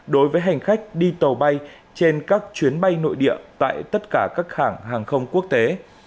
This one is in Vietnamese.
đối với hành khách đi tàu bay trên các chuyến bay nội địa tại tất cả các hàng hàng không quốc tế